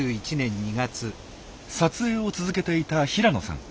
撮影を続けていた平野さん。